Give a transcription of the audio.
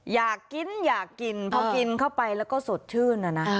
อยากกินอยากกินพอกินเข้าไปแล้วก็สดชื่นนะนะ